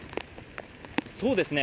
そうですね。